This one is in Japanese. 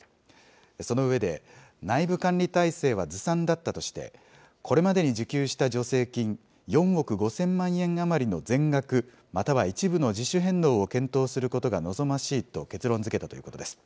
その上で、内部管理体制はずさんだったとして、これまでに受給した助成金４億５０００万円余りの全額または一部の自主返納を検討することが望ましいと結論づけたということです。